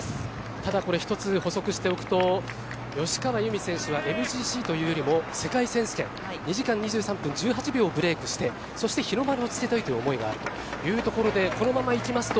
ただこれ、１つ、補足しておくと吉川侑美選手はＭＧＣというよりも世界選手権２時間２３分１８秒をブレークしてそして日の丸をつけたいという思いがあるのでこのままいきますと